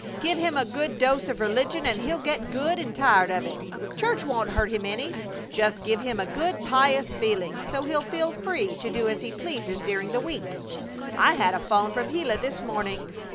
Give him a good dose of religion and he'll get good and tired of it. Church won't hurt him any, just give him a good, pious feeling so he'll feel free to do as he pleases during the week. I had a 'phone from Gila this morning.